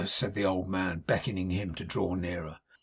said the old man, beckoning him to draw nearer.